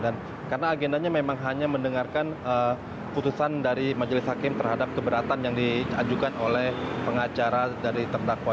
dan karena agendanya memang hanya mendengarkan putusan dari majelis hakim terhadap keberatan yang diajukan oleh pengacara dari terdakwa